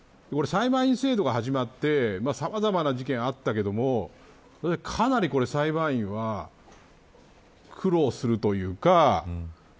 裁判員制度が始まってさまざまな事件があったけれどかなり裁判員は苦労するというか。